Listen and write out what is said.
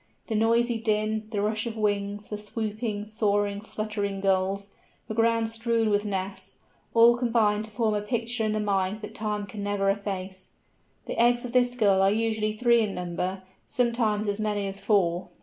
The noisy din, the rush of wings, the swooping, soaring, fluttering Gulls, the ground strewn with nests—all combine to form a picture in the mind that time can never efface! The eggs of this Gull are usually three in number, sometimes as many as four.